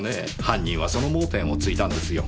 犯人はその盲点をついたんですよ。